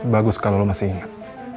bagus kalau lo masih ingat